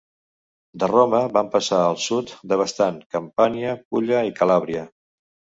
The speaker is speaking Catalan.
De Roma van passar al sud devastant Campània, Pulla i Calàbria.